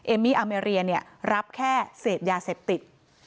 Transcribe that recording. เอมมี่อาเมรียรับแค่เสพยาเสพติด